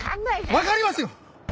分かりますよ！